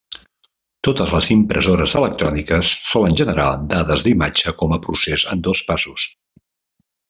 Totes les impressores electròniques solen generar dades d'imatge com a procés en dos passos.